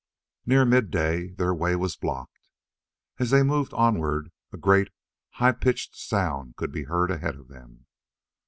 Near midday their way was blocked. As they moved onward, a great, high pitched sound could be heard ahead of them.